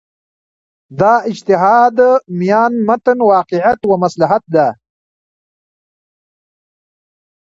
دا اجتهاد میان متن واقعیت و مصلحت ده.